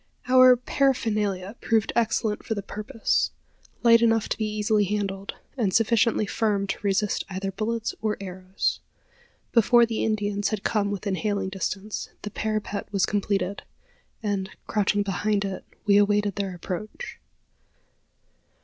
Our paraphernalia proved excellent for the purpose light enough to be easily handled, and sufficiently firm to resist either bullets or arrows. Before the Indians had come within hailing distance, the parapet was completed; and, crouching behind it, we awaited their approach.